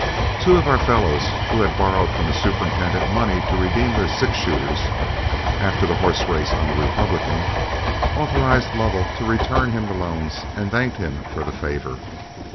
Two of our fellows who had borrowed from the superintendent money to redeem their six shooters after the horse race on the Republican, authorized Lovell to return him the loans and thanked him for the favor.